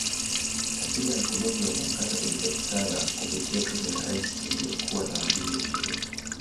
Katiba ya kudumu ya muungano ilipatikana kupitia Tume ya Rais iliyokuwa na wajumbe ishirini